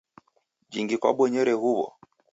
Jhingi kwabonyere huw'o?